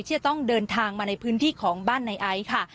จะต้องเดินทางมาในพื้นที่ของบ้านในไอซ์ค่ะ